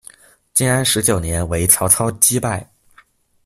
建安十九年为曹操击败。